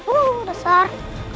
uh uh uh besar